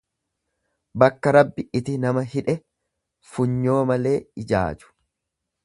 Bakka Rabbi iti nama hidhe funyoo malee ijaaju.